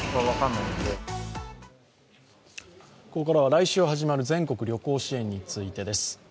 来週から始まる全国旅行支援についてです。